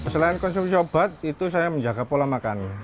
selain konsumsi obat itu saya menjaga pola makannya